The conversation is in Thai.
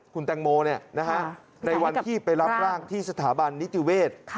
คุณแตงโมในวันที่ไปรับร่างที่สถาบันนิติเวศ